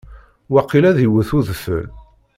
Waqil ad iwet udfel.